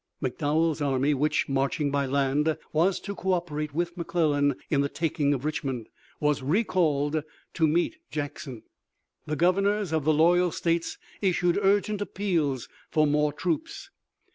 McDowell's army, which, marching by land, was to co operate with McClellan in the taking of Richmond, was recalled to meet Jackson. The governors of the loyal states issued urgent appeals for more troops.